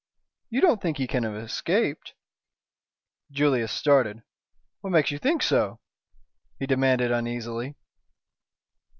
"You don't think he can have escaped?" Julius started. "What makes you think so?" he demanded uneasily.